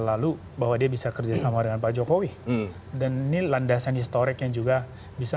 lalu bahwa dia bisa kerjasama dengan pak jokowi dan ini landasan historik yang juga bisa